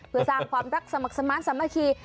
เพื่อสร้างความรักสมัครสมาชิก